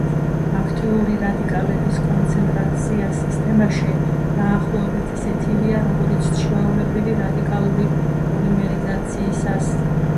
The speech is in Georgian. აქტიური რადიკალების კონცენტრაცია სისტემაში დაახლოებით ისეთივეა, როგორიც ჩვეულებრივი რადიკალური პოლიმერიზაციისას.